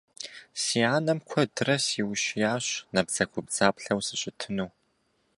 Си анэм куэдрэ сиущиящ набдзэгубдзаплъэу сыщытыну.